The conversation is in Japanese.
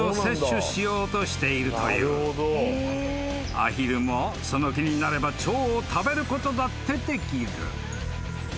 ［アヒルもその気になればチョウを食べることだってできる］